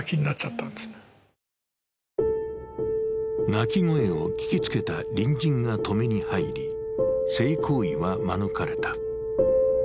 泣き声を聞きつけた隣人が止めに入り、性行為は免れた。